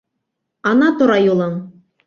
Ана тора юлың!